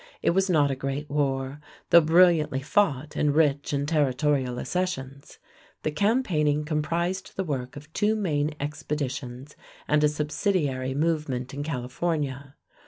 It was not a great war, though brilliantly fought and rich in territorial accessions. The campaigning comprised the work of two main expeditions and a subsidiary movement in California.